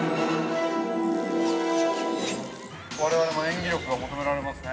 ◆我々も演技力が求められますね◆